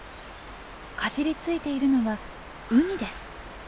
かじりついているのはウニです。